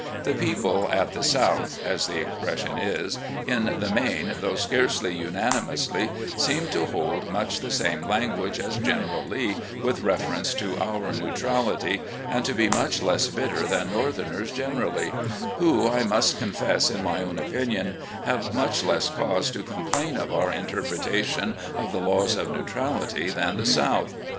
The people 'at the South' (as the expression is), in the main, though scarcely tmanimously, seem to hold much the same language as General Lee with reference to our neutrality, and to be much less bitter than Northerners generally — who, I must confess, in my own opinion, have much less cause to complain of ovur interpretation of the laws of neutrality than the South.